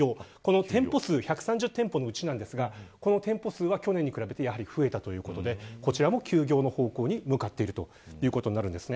店舗数１３０店舗のうちですがこの店舗数は去年に比べて増えたということで、こちらも休業の方向に向かっているということです。